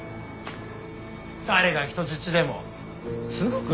誰が人質でもすぐ来るじゃん。